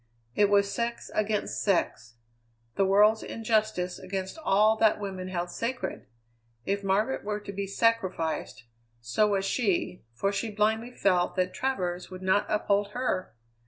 It was sex against sex; the world's injustice against all that woman held sacred! If Margaret were to be sacrificed, so was she, for she blindly felt that Travers would not uphold her!